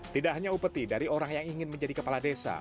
tidak hanya upeti dari orang yang ingin menjadi kepala desa